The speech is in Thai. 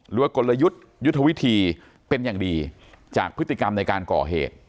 กลยุทธ์ยุทธวิธีเป็นอย่างดีจากพฤติกรรมในการก่อเหตุ